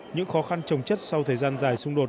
những khó khăn trồng chất sau thời gian dài xung đột